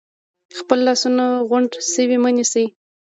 خپل لاسونه غونډ شوي مه نیسئ،